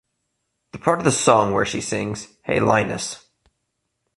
The part of the song where she sings Hey Linus...!